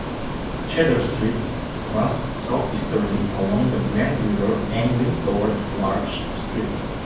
Cedar Street runs southeasterly along the Grand River angling toward Larch Street.